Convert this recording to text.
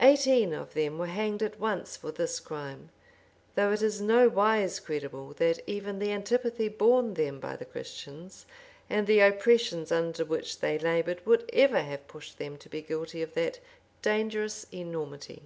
Eighteen of them were hanged at once for this crime;[] though it is nowise credible that even the antipathy borne them by the Christians, and the oppressions under which they labored, would ever have pushed them to be guilty of that dangerous enormity.